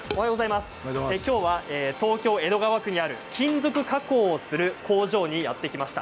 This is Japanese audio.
きょうは東京江戸川区にある金属加工する工場にやって来ました。